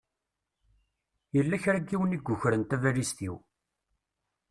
Yella kra n yiwen i yukren tabalizt-iw.